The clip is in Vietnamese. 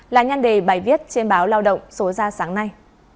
là nhan đề bài viết trên báo lao động số ra sáng nay